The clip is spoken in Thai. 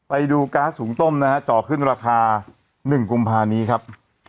ไปดูก๊าซหุงต้มนะฮะเจาะขึ้นราคา๑กุมภานี้ครับ